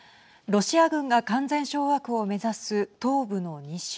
ロシア軍が完全掌握を目指す東部の２州。